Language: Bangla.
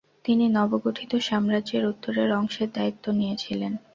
তিনি নবগঠিত সাম্রাজ্যের উত্তরের অংশের দায়িত্বে নিয়েছিলেন।